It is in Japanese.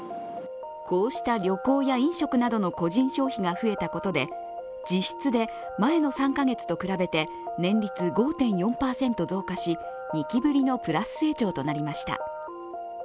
こうした旅行や飲食などの個人消費が増えたことで実質で、前の３カ月と比べて年率５．４％増加し２期ぶりのプラス成長となりました